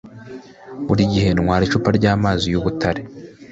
Buri gihe ntwara icupa ryamazi yubutare